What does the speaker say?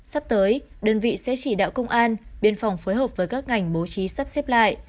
sắp tới đơn vị sẽ chỉ đạo công an biên phòng phối hợp với các ngành bố trí sắp xếp lại